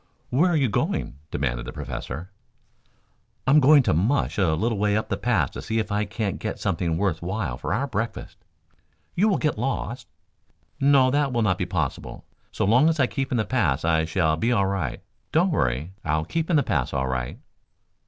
"Where are you going?" demanded the Professor. "I'm going to 'mush' a little way up the pass to see if I can't get something worth while for our breakfast." "You will get lost." "No, that will not be possible. So long as I keep in the pass I shall be all right. Don't worry; I'll keep in the pass all right."